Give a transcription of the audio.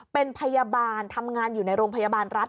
เป็นพยาบาลทำงานอยู่ในโรงพยาบาลรัฐ